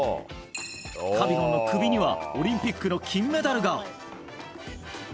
カビゴンの首にはオリンピックの金メダルが。